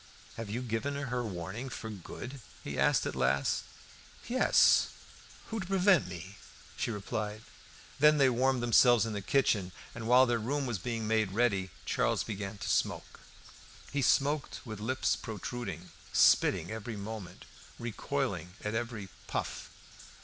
"Have you given her warning for good?" he asked at last. "Yes. Who is to prevent me?" she replied. Then they warmed themselves in the kitchen while their room was being made ready. Charles began to smoke. He smoked with lips protruding, spitting every moment, recoiling at every puff.